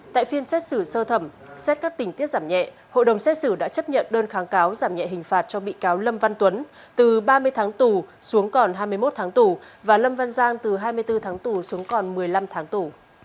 tại phiên xét xử sơ thẩm xét các tình tiết giảm nhẹ hội đồng xét xử đã chấp nhận đơn kháng cáo giảm nhẹ hình phạt cho bị cáo lâm văn tuấn từ ba mươi tháng tù xuống còn hai mươi một tháng tù và lâm văn giang từ hai mươi bốn tháng tù xuống còn một mươi năm tháng tù